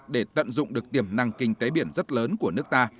để tận dụng được tiềm năng kinh tế biển rất lớn của nước ta